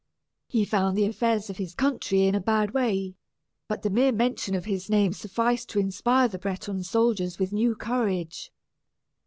He found the affairs of his country in a bad way, but the mere mention of his name sufficed to inspire the Breton soldiers with new courage.